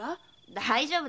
大丈夫。